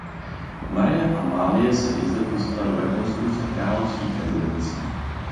Marie Amálie se i zde pustila do rekonstrukce královských rezidencí.